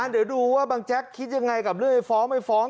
เดี๋ยวดูว่าบางแจ๊กคิดยังไงกับเรื่องฟ้องไม่ฟ้อง